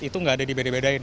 itu enggak ada dibedain bedain